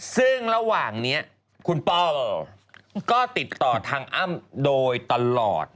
ซึ่งระหว่างนี้คุณป้อมก็ติดต่อทางอ้ำโดยตลอด